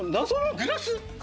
グラス？